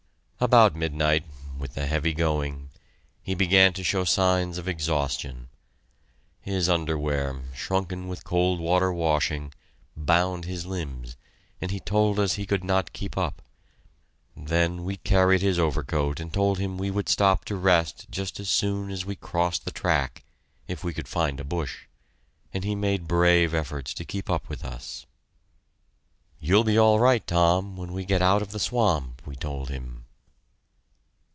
About midnight, with the heavy going, he began to show signs of exhaustion. His underwear, shrunken with cold water washing, bound his limbs, and he told us he could not keep up. Then we carried his overcoat and told him we would stop to rest just as soon as we crossed the track, if we could find a bush, and he made brave efforts to keep up with us. "You'll be all right, Tom, when we get out of the swamp," we told him.